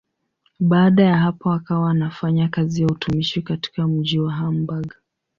Baada ya hapo akawa anafanya kazi ya utumishi katika mji wa Hamburg.